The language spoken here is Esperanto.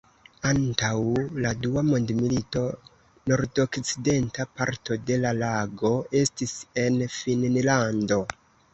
Antaŭ la dua mondmilito nordokcidenta parto de la lago estis en Finnlando.